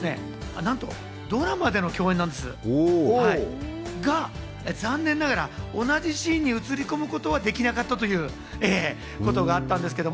なんとドラマでの共演なんですが、残念ながら同じシーンに映り込むことはできなかったということがあったんですけど。